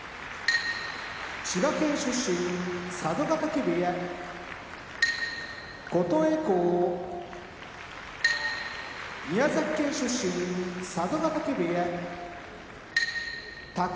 千葉県出身佐渡ヶ嶽部屋琴恵光宮崎県出身佐渡ヶ嶽部屋宝